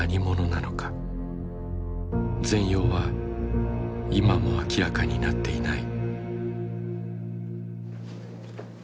全容は今も明らかになっていない。